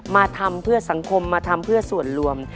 มาทำเพื่อสังคมมาทำเพื่อส่วนรวม